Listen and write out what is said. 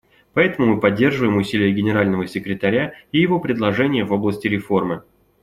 Поэтому мы поддерживаем усилия Генерального секретаря и его предложения в области реформы.